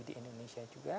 di indonesia juga